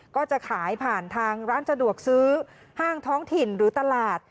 ก็จะขายผ่านทางร้านสะดวกซื้อห้างท้องถิ่นหรือตลาด